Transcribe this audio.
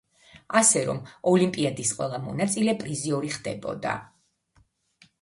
ასე რომ, ოლიმპიადის ყველა მონაწილე პრიზიორი ხდებოდა.